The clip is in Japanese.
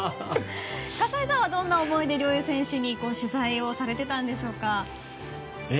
葛西さんはどういう思いで陵侑選手に取材をされていたんでしょうか。